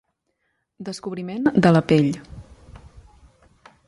Descobriment de la Pell.